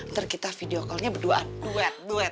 ntar kita video call nya berduaan duet duet